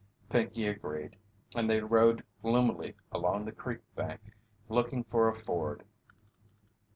Pinkey agreed, and they rode gloomily along the creek bank looking for a ford.